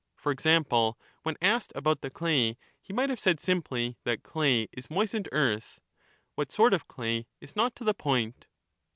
For example, when asked about the clay, he might have said simply, that clay is moistened earth —what sort of clay is not to the point.